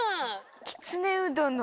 きつねうどんの。